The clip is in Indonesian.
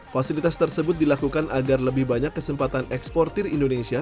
fasilitas tersebut dilakukan agar lebih banyak kesempatan eksportir indonesia